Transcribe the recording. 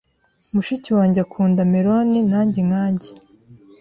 Mushiki wanjye akunda melon nanjye nkanjye.